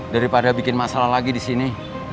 daripada bikin masalah lagi disini